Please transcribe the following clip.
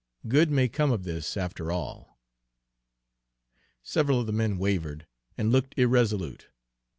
Good may come of this, after all." Several of the men wavered, and looked irresolute.